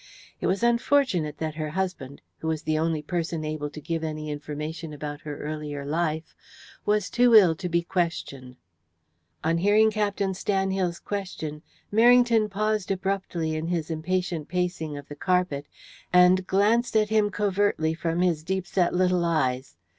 It was unfortunate that her husband, who was the only person able to give any information about her earlier life, was too ill to be questioned. On hearing Captain Stanhill's question, Merrington paused abruptly in his impatient pacing of the carpet, and glanced at him covertly from his deep set little eyes.